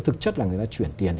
thực chất là người ta chuyển tiền